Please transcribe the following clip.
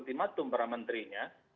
untuk menangkap maksimum para menterinya